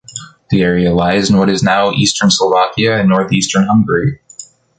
The area lies in what is now eastern Slovakia and north-eastern Hungary.